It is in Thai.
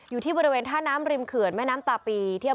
อยู่ที่บริเวณท่าน้ำริมเขื่อนแม่น้ำตาปีที่